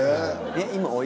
今。